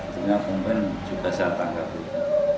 tengah komplain juga saya tangkap itu